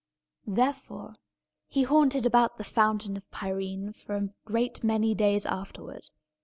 Therefore, he haunted about the Fountain of Pirene for a great many days afterward.